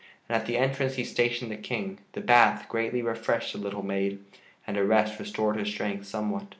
And at the entrance he stationed the King. The bath greatly refreshed the little maid and a rest restored her strength somewhat.